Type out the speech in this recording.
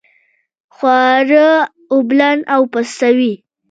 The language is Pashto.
خواړه اوبلن او پستوي.